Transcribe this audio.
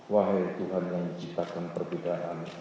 wahai tuhan yang menciptakan perbedaan